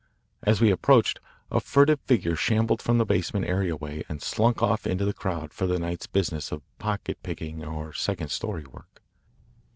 As we approached, a furtive figure shambled from the basement areaway and slunk off into the crowd for the night's business of pocket picking or second story work.